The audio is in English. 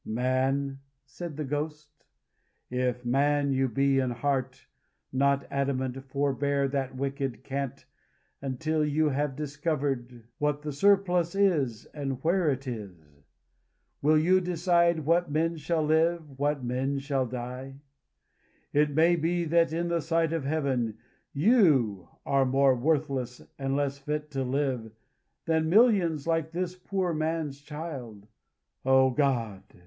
"Man," said the Ghost, "if man you be in heart, not adamant, forbear that wicked cant until you have discovered what the surplus is and where it is. Will you decide what men shall live, what men shall die? It may be that in the sight of Heaven you are more worthless and less fit to live than millions like this poor man's child. Oh, God!